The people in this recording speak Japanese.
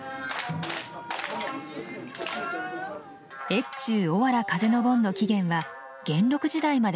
越中おわら風の盆の起源は元禄時代まで遡ります。